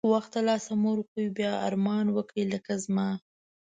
وخت د لاسه مه ورکوی بیا ارمان وکړی لکه زما